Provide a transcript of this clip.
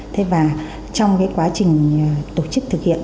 thế và trong cái quá trình tổ chức thực hiện